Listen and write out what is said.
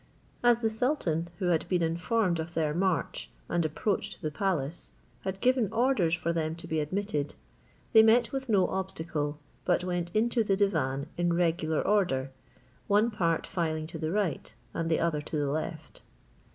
As the sultan, who had been informed of their march, and approach to the palace, had given orders for them to be admitted, they met with no obstacle, but went into the divan in regular order, one part filing to the right, and the other to the left.